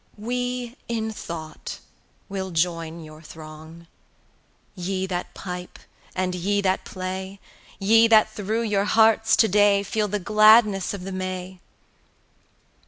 175 We in thought will join your throng, Ye that pipe and ye that play, Ye that through your hearts to day Feel the gladness of the May!